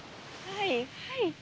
はいはい。